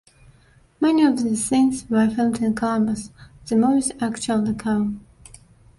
Many of the scenes were filmed in Columbus, the movie's actual locale.